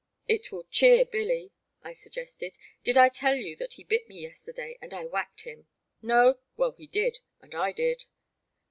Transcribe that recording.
" It will cheer Billy," I suggested ;'* did I tell you that he bit me yesterday and I whacked him ? No ? Well, he did, and I did."